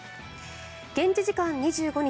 現地時間２５日